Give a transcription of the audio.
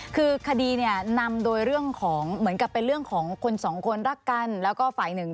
คือคดีเนี่ยนำโดยเรื่องของเหมือนกับเป็นเรื่องของคนสองคนรักกันแล้วก็ฝ่ายหนึ่ง